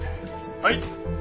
はい！